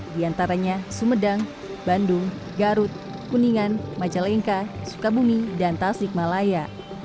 diantaranya sumedang bandung garut kuningan majalengka sukabumi dan tasikmalaya